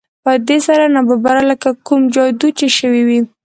په دې سره ناببره لکه کوم جادو چې شوی وي